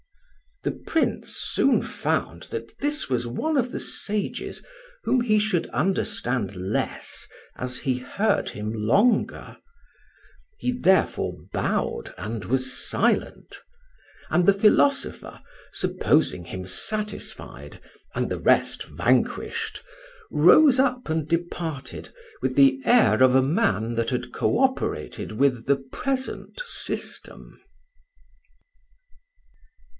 The Prince soon found that this was one of the sages whom he should understand less as he heard him longer. He therefore bowed and was silent; and the philosopher, supposing him satisfied and the rest vanquished, rose up and departed with the air of a man that had co operated with the present system.